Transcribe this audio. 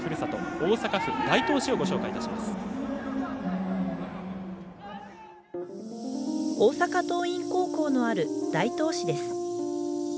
大阪桐蔭高校のある大東市です。